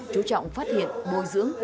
chú trọng phát hiện bồi dưỡng